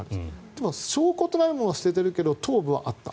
でも、証拠となるものを捨てているけど頭部はあった。